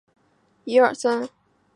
紫蕊蚤缀